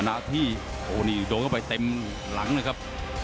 โดดเข้าไปเต็มหลังนะครับ